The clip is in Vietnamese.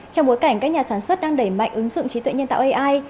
trong bối cảnh các nhà sản xuất đang đẩy mạnh ứng dụng trí tuệ nhân tạo ai